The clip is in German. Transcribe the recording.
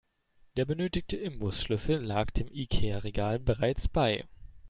Der benötigte Imbusschlüssel lag dem Ikea-Regal bereits bei.